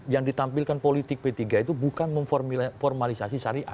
yang ditampilkan politik p tiga itu bukan memformalisasi syariah